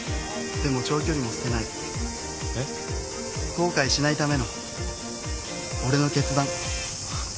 後悔しないための俺の決断。